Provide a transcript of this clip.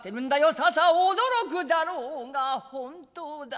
ささ驚くだろうが本当だ。